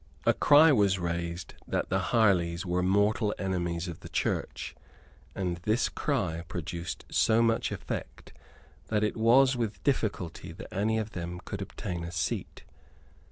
A cry was raised that the Harleys were mortal enemies of the Church; and this cry produced so much effect that it was with difficulty that any of them could obtain a seat.